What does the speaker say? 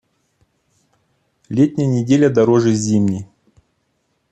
Летняя неделя дороже зимней.